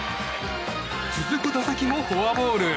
続く打席もフォアボール。